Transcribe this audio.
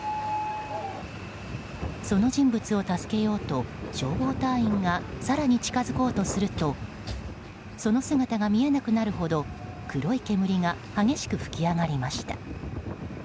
その人物を助けようと消防隊員が更に近づこうとするとその姿が見えなくなるほど黒い煙が激しく噴き上がりました。